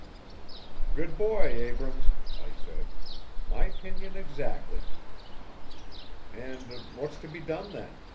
"Good boy, Abrams," I said. "My opinion exactly." "And what's to be done, then?"